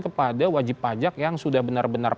kepada wajib pajak yang sudah benar benar